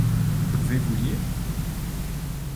Pouvez-vous lire ?